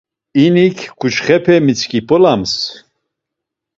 İnik ǩuçxepe misǩip̌olams.